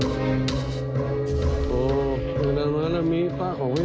สวัสดีครับทุกคน